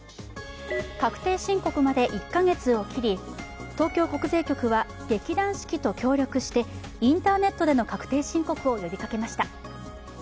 確定申告まで１カ月を切り東京国税局は劇団四季と協力してインターネットでの確定申告を呼びかけました。